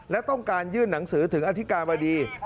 และต้องการยื่นหนังสือถึงอธิการบดี